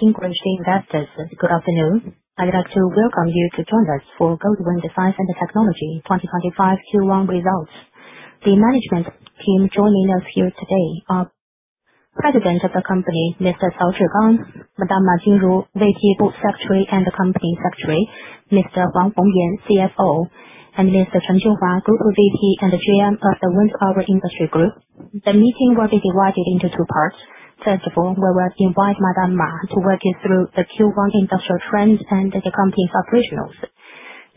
Distinguished investors, good afternoon. I'd like to welcome you to join us for Goldwind Science & Technology 2025 Q1 results. The management team joining us here today are: President of the Company, Mr. Cao Zhigang; Madam Ma Jinru, VP, Board Secretary and Company Secretary; Mr. Wang Hongyan, CFO; and Mr. Chen Jinghua, Group VP and GM of the Wind Power Industry Group. The meeting will be divided into two parts. First of all, we will invite Madam Ma to walk you through the Q1 industrial trends and the company's operationals.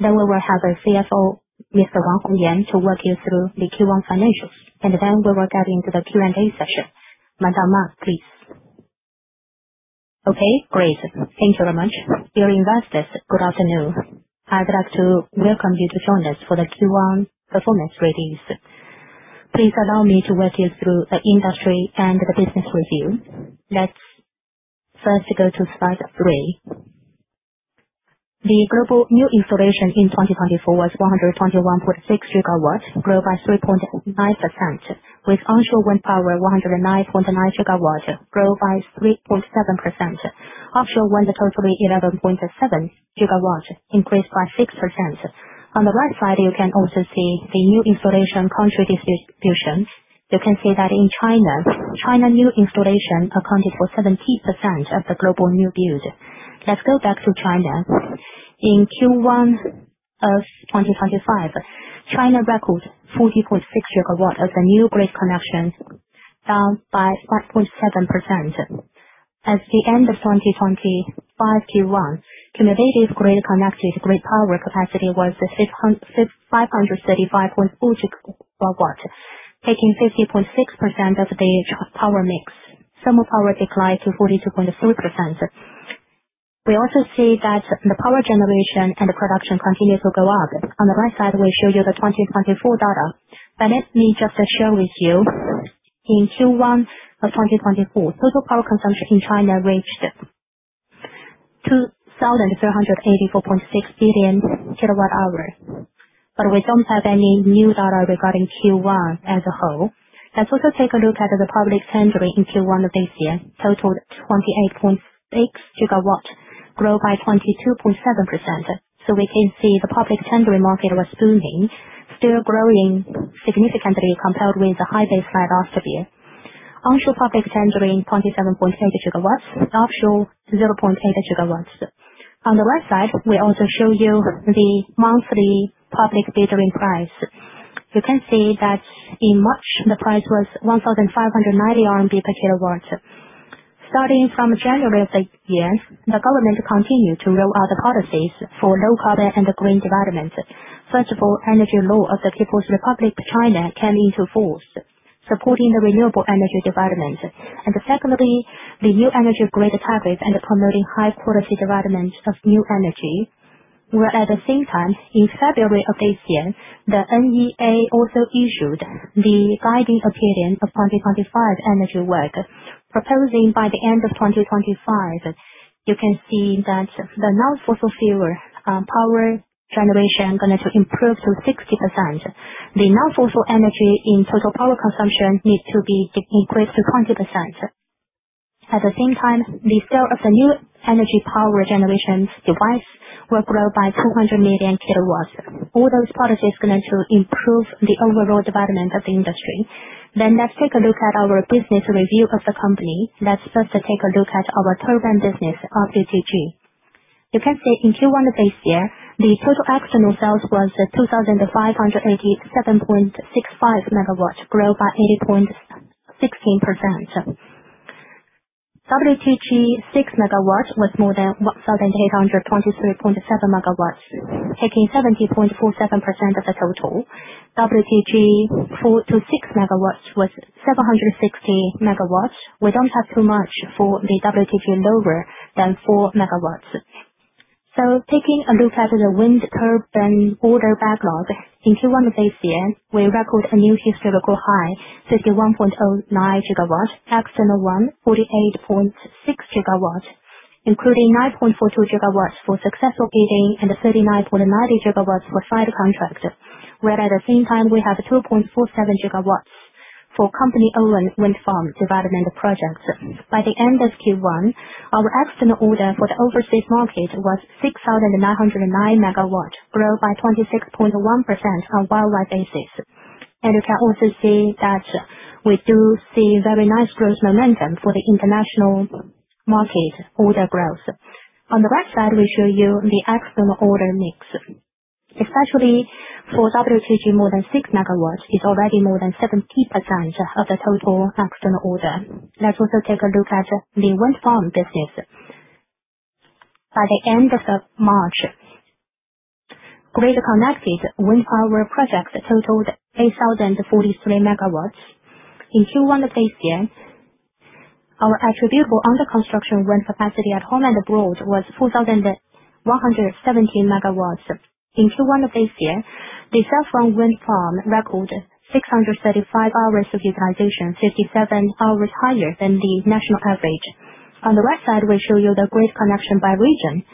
We will have CFO, Mr. Wang Hongyan, to walk you through the Q1 financials. We will get into the Q&A session. Madam Ma, please. Okay, great. Thank you very much. Dear investors, good afternoon. I'd like to welcome you to join us for the Q1 performance reviews. Please allow me to walk you through the industry and the business review. Let's first go to slide three. The global new installation in 2024 was 121.6 GW, growth by 3.9%, with onshore wind power 109.9 GW, growth by 3.7%. Offshore wind totally 11.7 GW, increased by 6%. On the right side, you can also see the new installation country distribution. You can see that in China, China new installation accounted for 17% of the global new build. Let's go back to China. In Q1 of 2025, China recorded 40.6 GW of the new grid connection, down by 5.7%. At the end of 2025 Q1, cumulative grid-connected grid power capacity was 535.4 GW, taking 50.6% of the power mix. Thermal power declined to 42.3%. We also see that the power generation and production continue to go up. On the right side, we show you the 2024 data. Let me just share with you, in Q1 of 2024, total power consumption in China reached 2,384.6 billion kWh. We do not have any new data regarding Q1 as a whole. Let's also take a look at the public tendering in Q1 of this year, totaled 28.6 GW, growth by 22.7%. We can see the public tendering market was booming, still growing significantly, compared with the high baseline last year. Onshore public tendering 27.8 GW, offshore 0.8 GW. On the right side, we also show you the monthly public tendering price. You can see that in March, the price was 1,590 RMB per kW. Starting from January of the year, the government continued to roll out the policies for low carbon and green development. First of all, the Energy Law of the People's Republic of China came into force, supporting the renewable energy development. Secondly, the new energy grid targets and promoting high-quality development of new energy. Where at the same time, in February of this year, the NEA also issued the Guiding Opinion of 2025 Energy Work, proposing by the end of 2025, you can see that the non-fossil fuel power generation is going to improve to 60%. The non-fossil energy in total power consumption needs to be increased to 20%. At the same time, the sale of the new energy power generation device will grow by 200 million kW. All those policies are going to improve the overall development of the industry. Let's take a look at our business review of the company. Let's first take a look at our turbine business of WTG. You can see in Q1 of this year, the total external sales was 2,587.65 MW, growth by 80.16%. WTG 6 MW was more than 1,823.7 MW, taking 70.47% of the total. WTG 4 MW-6 MW was 760 MW. We do not have too much for the WTG lower than 4 MW. Taking a look at the wind turbine order backlog, in Q1 of this year, we record a new historical high, 51.09 GW, external one 48.6 GW, including 9.42 GW for successful bidding and 39.90 GW for signed contract. At the same time, we have 2.47 GW for company-owned wind farm development projects. By the end of Q1, our external order for the overseas market was 6,909 MW, growth by 26.1% on year-on-year basis. You can also see that we do see very nice growth momentum for the international market order growth. On the right side, we show you the external order mix. Especially for WTG 6 MW, more than 70% of the total external order is already in that category. Let's also take a look at the wind farm business. By the end of March, grid-connected wind power projects totaled 8,043 MW. In Q1 of this year, our attributable under-construction wind capacity at home and abroad was 4,117 MW. In Q1 of this year, the self-owned wind farm recorded 635 hours of utilization, 57 hours higher than the national average. On the right side, we show you the grid connection by region.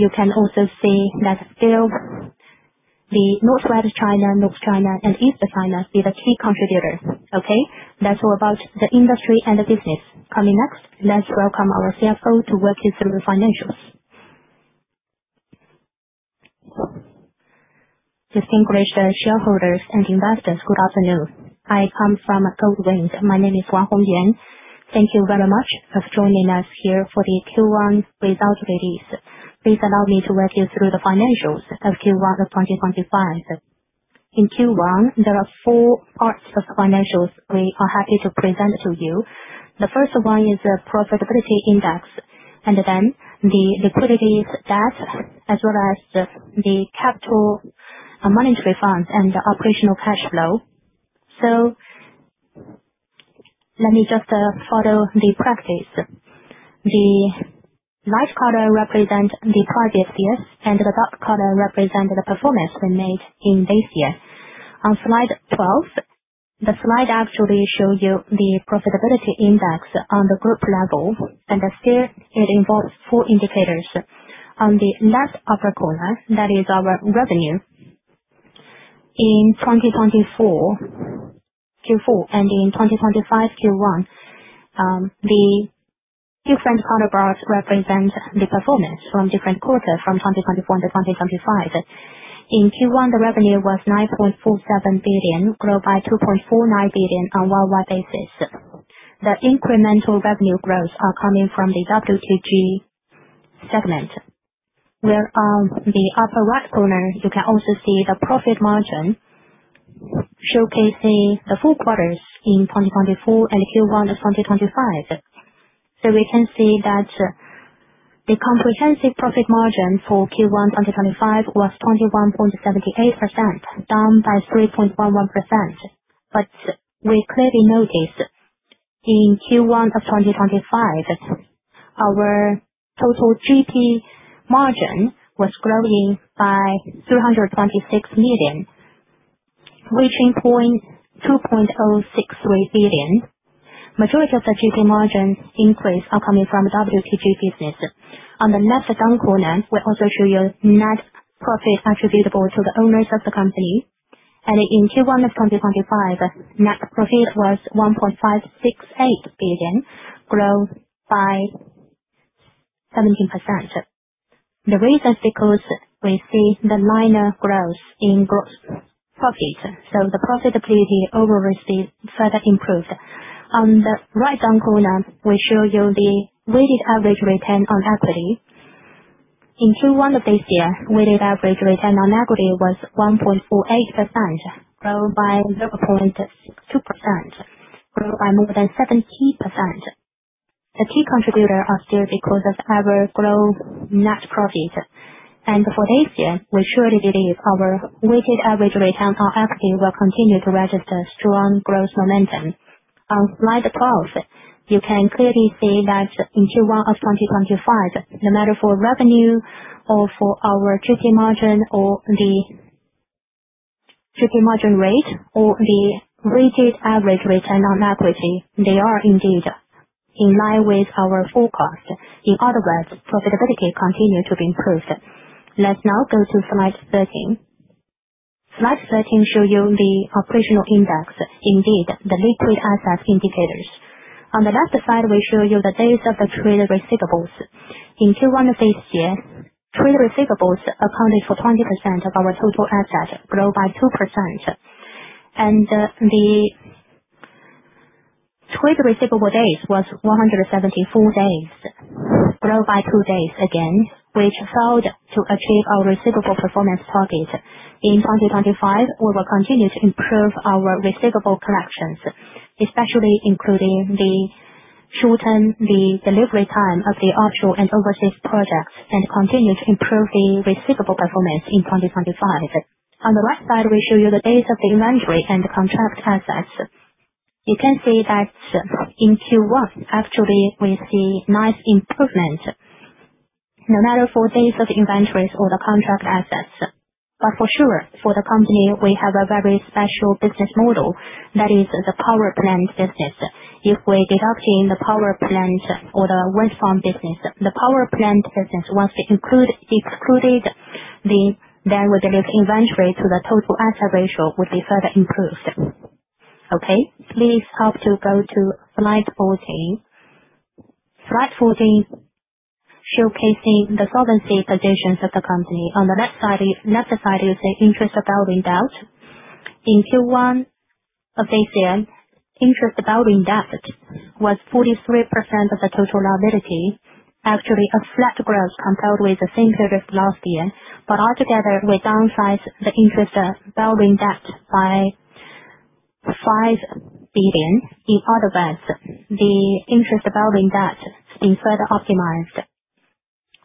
You can also see that still the Northwest China, North China, and East China are the key contributors. That's all about the industry and the business. Coming next, let's welcome our CFO to walk you through the financials. Distinguished shareholders and investors, good afternoon. I come from Goldwind Science & Technology. My name is Wang Hongyan. Thank you very much for joining us here for the Q1 result release. Please allow me to walk you through the financials of Q1 of 2025. In Q1, there are four parts of financials we are happy to present to you. The first one is the profitability index, and then the liquidity stats, as well as the capital monetary funds and operational cash flow. Let me just follow the practice. The light color represents the project years, and the dark color represents the performance we made in this year. On slide 12, the slide actually shows you the profitability index on the group level, and still it involves four indicators. On the left upper corner, that is our revenue. In 2024 Q4 and in 2025 Q1, the different color bars represent the performance from different quarters from 2024-2025. In Q1, the revenue was 9.47 billion, growth by 2.49 billion on wildlife basis. The incremental revenue growth is coming from the WTG segment. Where on the upper right corner, you can also see the profit margin showcasing the four quarters in 2024 and Q1 of 2025. We can see that the comprehensive profit margin for Q1 2025 was 21.78%, down by 3.11%. We clearly notice in Q1 of 2025, our total GP margin was growing by 326 million, reaching 0.2063 billion. Majority of the GP margin increase is coming from WTG business. On the left down corner, we also show you net profit attributable to the owners of the company. In Q1 of 2025, net profit was 1.568 billion, growth by 17%. The reason is because we see the line of growth in gross profit. The profitability overall is further improved. On the right down corner, we show you the weighted average return on equity. In Q1 of this year, weighted average return on equity was 1.48%, growth by 0.62%, growth by more than 17%. The key contributor is still because of our growth net profit. For this year, we surely believe our weighted average return on equity will continue to register strong growth momentum. On slide 12, you can clearly see that in Q1 of 2025, no matter for revenue or for our GP margin or the GP margin rate or the weighted average return on equity, they are indeed in line with our forecast. In other words, profitability continues to be improved. Let's now go to slide 13. Slide 13 shows you the operational index, indeed the liquid assets indicators. On the left side, we show you the days of the trade receivables. In Q1 of this year, trade receivables accounted for 20% of our total asset, growth by 2%. The trade receivable days was 174 days, growth by two days again, which failed to achieve our receivable performance target. In 2025, we will continue to improve our receivable collections, especially including the short term, the delivery time of the offshore and overseas projects, and continue to improve the receivable performance in 2025. On the right side, we show you the days of the inventory and contract assets. You can see that in Q1, actually, we see nice improvement, no matter for days of inventories or the contract assets. For sure, for the company, we have a very special business model that is the power plant business. If we're deducting the power plant or the wind farm business, the power plant business, once we excluded the. We believe inventory to the total asset ratio would be further improved. Okay, please help to go to slide 14. Slide 14 showcasing the solvency positions of the company. On the left side is the interest-bearing debt. In Q1 of this year, interest-bearing debt was 43% of the total liability, actually a flat growth compared with the same period last year. Altogether, we downsized the interest-bearing debt by 5 billion. In other words, the interest-bearing debt is further optimized.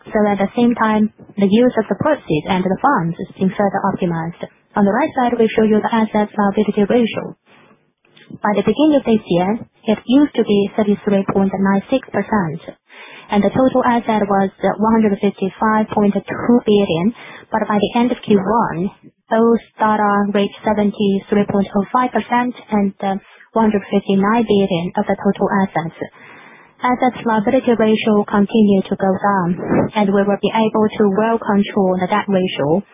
At the same time, the use of the proceeds and the funds is further optimized. On the right side, we show you the assets liability ratio. By the beginning of this year, it used to be 33.96%, and the total asset was 155.2 billion. By the end of Q1, those data reached 73.05% and 159 billion of the total assets. Assets liability ratio continued to go down, and we will be able to well control the debt ratio.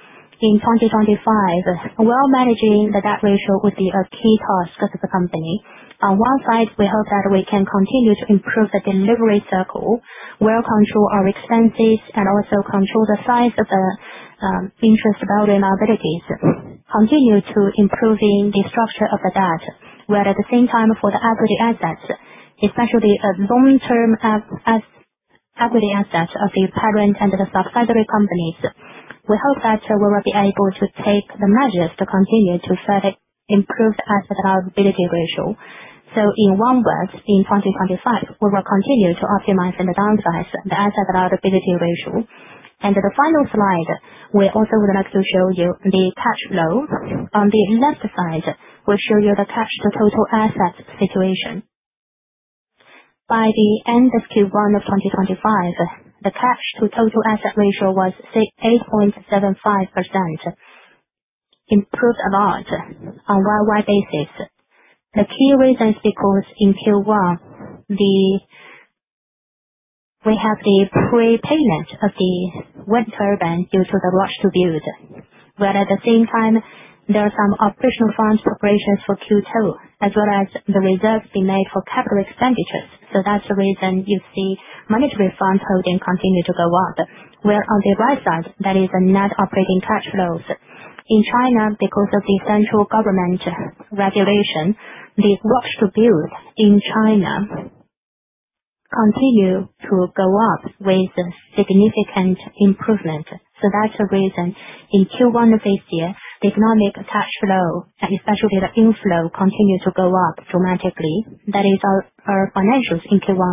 In 2025, well managing the debt ratio would be a key task for the company. On one side, we hope that we can continue to improve the delivery cycle, well control our expenses, and also control the size of the interest-bearing liabilities, continue to improve the structure of the debt. Where at the same time, for the equity assets, especially long-term equity assets of the parent and the subsidiary companies, we hope that we will be able to take the measures to continue to further improve the asset liability ratio. In one word, in 2025, we will continue to optimize and downsize the asset liability ratio. The final slide, we also would like to show you the cash flow. On the left side, we'll show you the cash to total asset situation. By the end of Q1 of 2025, the cash to total asset ratio was 8.75%, improved a lot on a year-over-year basis. The key reason is because in Q1, we have the prepayment of the wind turbine due to the rush to build. At the same time, there are some operational funds preparations for Q2, as well as the reserves being made for capital expenditures. That is the reason you see monetary funds holding continue to go up. On the right side, that is the net operating cash flows. In China, because of the central government regulation, the rush to build in China continued to go up with significant improvement. That is the reason in Q1 of this year, the economic cash flow, especially the inflow, continued to go up dramatically. That is our financials in Q1.